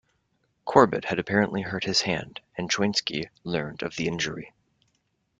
Corbett had apparently hurt his hand, and Choynski learned of the injury.